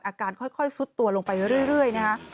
อาการค่อยซุดตัวลงไปเรื่อยนะฮะ